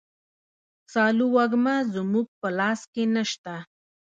سالو وږمه زموږ په لاس کي نسته.